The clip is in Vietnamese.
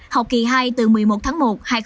học kỳ hai từ một mươi một tháng một hai nghìn hai mươi